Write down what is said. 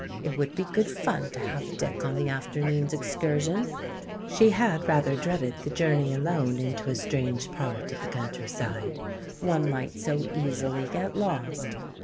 It would be good fun to have Dick on the afternoon's excursion! She had rather dreaded the journey alone into a strange part of the countryside, one might so easily get lost.